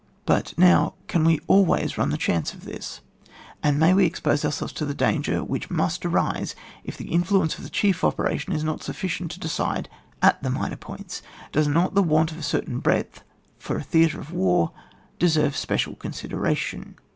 But now can we always run the chance of this ? And may we expose ourselves to the danger which must arise if the in fluence of the chief operation is not suffi cient to decide at the minor points ? Does not the want of a certain breadth for a theatre of war deserve special con sideration